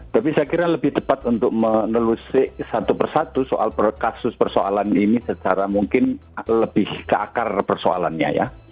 tapi saya kira lebih tepat untuk menelusik satu persatu soal kasus persoalan ini secara mungkin lebih ke akar persoalannya ya